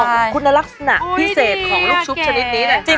แบบคุณลักษณะพิเศษของลูกชุบชนิดแล้วค่ะ